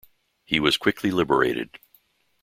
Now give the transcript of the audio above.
He was quickly liberated.